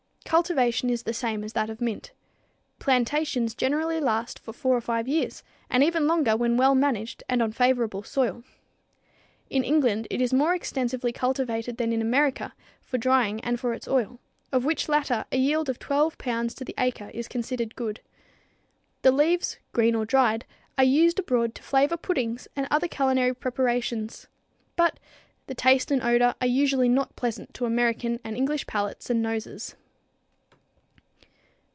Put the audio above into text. Cultivation is the same as that of mint. Plantations generally last for four or five years, and even longer, when well managed and on favorable soil. In England it is more extensively cultivated than in America for drying and for its oil, of which latter a yield of 12 pounds to the acre is considered good. The leaves, green or dried, are used abroad to flavor puddings and other culinary preparations, but the taste and odor are usually not pleasant to American and English palates and noses.